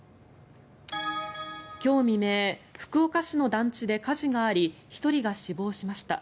今日未明福岡市の団地で火事があり１人が死亡しました。